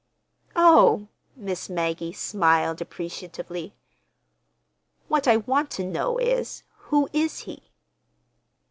"Oh!" Miss Maggie smiled appreciatively. "What I want to know is, who is he?"